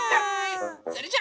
それじゃあ。